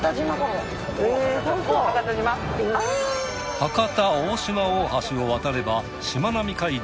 伯方・大島大橋を渡ればしまなみ海道